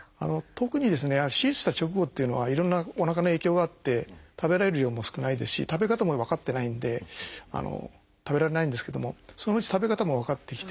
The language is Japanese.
特に手術した直後っていうのはいろんなおなかの影響があって食べられる量も少ないですし食べ方も分かってないんで食べられないんですけどもそのうち食べ方も分かってきて